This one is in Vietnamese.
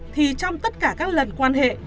thì trong tất cả các lần quan hệ